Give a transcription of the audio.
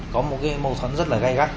có một cái mâu thuẫn rất là gai gắt